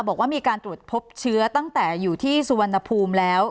บอกว่ามีการตรวจพบเชื้อตั้งแต่อยู่ที่สุวรรณภูมิแล้ว